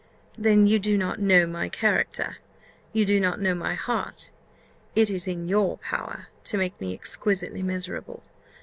"Then you do not know my character you do not know my heart: it is in your power to make me exquisitely miserable.